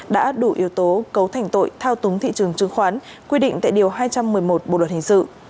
đã đủ yếu tố cấu thành tội thao túng thị trường chứng khoán quy định tại điều hai trăm một mươi một bộ luật hình sự